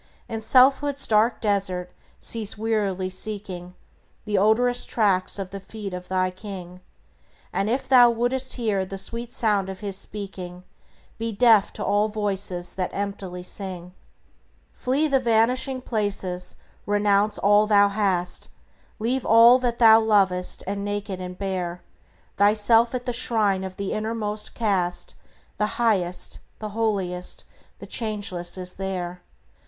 In selfhood's dark desert cease wearily seeking The odorous tracks of the feet of thy King; And if thou wouldst hear the sweet sound of His speaking, Be deaf to all voices that emptily sing. Flee the vanishing places; renounce all thou hast; Leave all that thou lovest, and, naked and bare, Thyself at the shrine of the Innermost cast; The Highest, the Holiest, the Changeless is there.